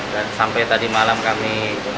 dan sampai tadi malam kami